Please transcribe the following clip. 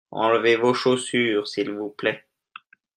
Enlevez-vos chaussures s'il vous plait.